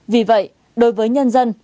vì vậy đối với nhân dân